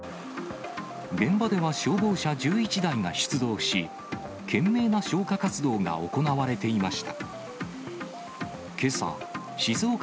現場では消防車１１台が出動し、懸命な消火活動が行われていました。